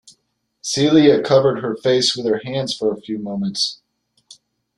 Celia covered her face with her hands for a few moments.